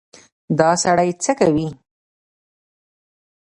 _دا سړی څه کوې؟